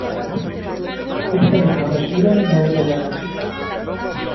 Esta legislatura no durará mucho.